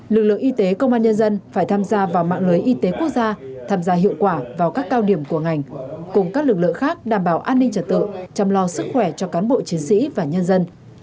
lực lượng y tế công an nhân dân phải tham gia vào mạng lưới y tế quốc gia tham gia hiệu quả vào các cao điểm của ngành cùng các lực lượng khác đảm bảo an ninh trật tự chăm lo sức khỏe cho cán bộ chiến sĩ và nhân dân